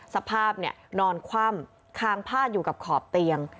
สภาพนอนคว่ำคางพาดอยู่กับขอบเตียง